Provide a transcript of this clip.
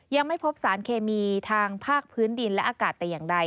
ยังไม่พบสารเคมีทางภาคพื้นดินและอากาศแต่อย่างใด